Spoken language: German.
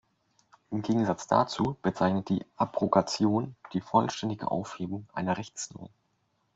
Im Gegensatz dazu bezeichnet die Abrogation die vollständige Aufhebung einer Rechtsnorm.